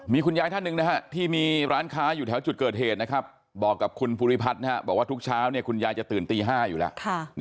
มีคุณยายท่านหนึ่งที่มีร้านค้าอยู่แถวจุดเกิดเหตุนะครับบอกกับคุณภูริพัฒน์บอกว่าทุกเช้าคุณยายจะตื่นตี๕อยู่แล้ว